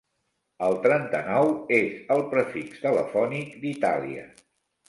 El trenta-nou és el prefix telefònic d'Itàlia.